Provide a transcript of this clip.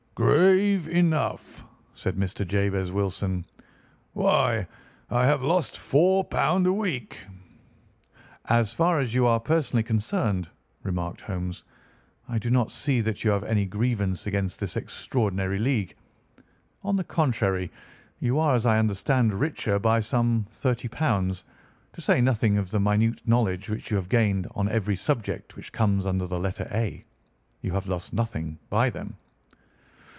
"Grave enough!" said Mr. Jabez Wilson. "Why, I have lost four pound a week." "As far as you are personally concerned," remarked Holmes, "I do not see that you have any grievance against this extraordinary league. On the contrary, you are, as I understand, richer by some £ 30, to say nothing of the minute knowledge which you have gained on every subject which comes under the letter A. You have lost nothing by them."